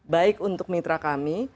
baik untuk mitra kami